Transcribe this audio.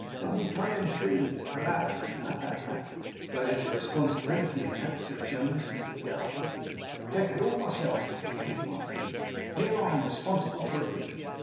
And we pay 'em too perhaps. Ha, ha, ha!' 'But there's responsibility in that,' said Jonas, looking doubtful. 'I take it all myself,' said Tigg Montague. 'Here I am responsible for everything.